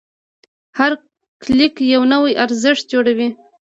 هر کلیک یو نوی ارزښت جوړوي.